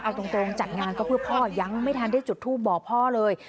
เอาตรงจัดงานก็เพื่อพ่อยังไม่ทันได้จุดทูปบอกพ่อเลย